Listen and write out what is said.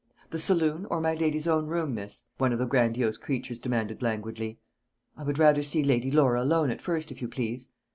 "The saloon, or my lady's own room, miss?" one of the grandiose creatures demanded languidly. "I would rather see Lady Laura alone at first, if you please."